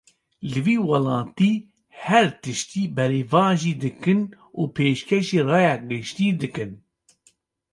Li vî welatî, her tiştî berevajî dikin û pêşkêşî raya giştî dikin